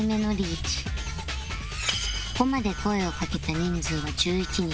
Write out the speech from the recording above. ここまで声をかけた人数は１１人